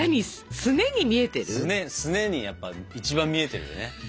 すねにやっぱ一番見えてるよね